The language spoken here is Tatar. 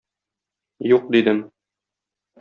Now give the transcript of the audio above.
Юк, - дидем.